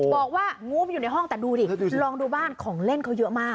บอกว่างูมันอยู่ในห้องแต่ดูดิลองดูบ้านของเล่นเขาเยอะมาก